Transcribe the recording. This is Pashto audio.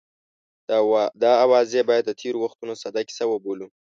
دا اوازې باید د تېرو وختونو ساده کیسه وبولو.